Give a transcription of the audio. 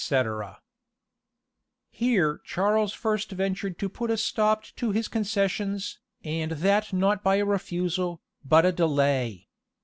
[*] Here Charles first ventured to put a stop to his concessions, and that not by a refusal, but a delay.